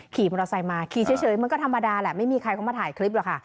ขี่มอเตอร์ไซค์มาขี่เฉยมันก็ธรรมดาแหละไม่มีใครเขามาถ่ายคลิปหรอกค่ะ